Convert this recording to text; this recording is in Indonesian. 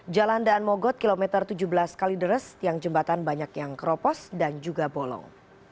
jalan daan mogot kilometer tujuh belas kalideres yang jembatan banyak yang keropos dan juga bolong